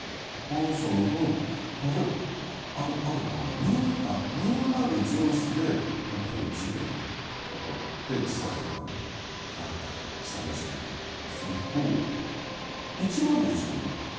マンションの例えばある所に２０１号室で何かそういう事件が起こって自殺とかねあったと悲惨な事件があるとすると１０１でも起こる。